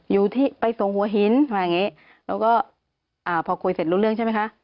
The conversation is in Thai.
อยู่ที่ไปส่งหัวหินมาอย่างงี้แล้วก็อ่าพอคุยเสร็จรู้เรื่องใช่ไหมคะ